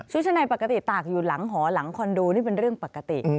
ชะในปกติตากอยู่หลังหอหลังคอนโดนี่เป็นเรื่องปกติ